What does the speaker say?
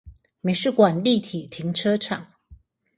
美術館立體停車場